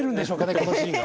このシーンが。